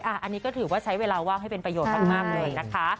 อันนี้ก็ถือว่าใช้เวลาว่างให้เป็นประโยชน์มากเลยนะคะ